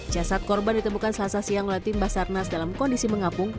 jasad korban ditemukan selasa siang oleh tim basarnas dalam kondisi mengapung